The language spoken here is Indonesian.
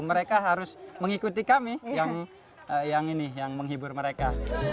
mereka harus mengikuti kami yang menghibur mereka